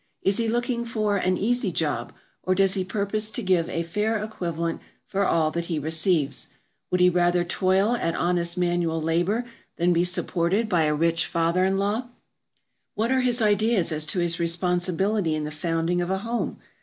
Is he looking for an "easy job," or does he purpose to give a fair equivalent for all that he receives? Would he rather toil at honest manual labor than be supported by a rich father in law? What are his ideas as to his responsibility in the founding of a home?